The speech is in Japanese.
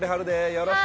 よろしく。